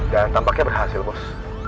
dan tampaknya berhasil bos